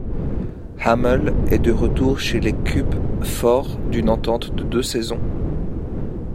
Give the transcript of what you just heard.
Hammel est de retour chez les Cubs fort d'une entente de deux saisons.